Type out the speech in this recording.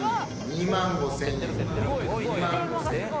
２万５，０００円。